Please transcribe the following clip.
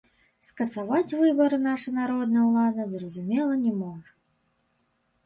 Скасаваць выбары наша народная улада, зразумела, не можа.